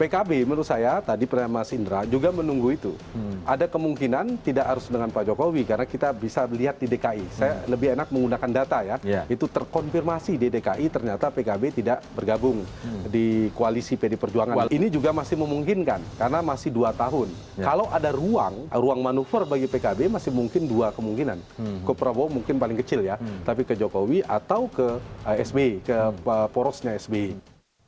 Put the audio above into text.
ke prabowo mungkin paling kecil ya tapi ke jokowi atau ke sbi ke porosnya sbi